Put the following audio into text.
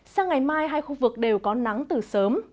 sang ngày mai hai khu vực đều có nắng từ sớm